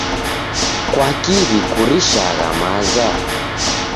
Kwaki w'ikurishagha maza?